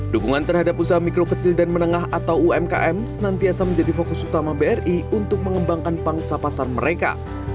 dukungan terhadap usaha mikro kecil dan menengah atau umkm senantiasa menjadi fokus utama bri untuk mengembangkan pangsa pasar mereka